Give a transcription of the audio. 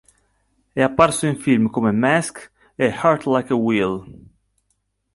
È apparso in film come "Mask" e "Heart Like a Wheel".